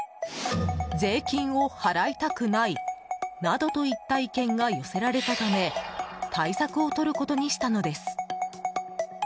税金を払いたくないなどといった意見が寄せられたため対策をとることにしたのです。